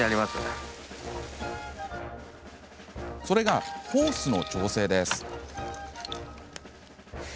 それが、ホースの調整です。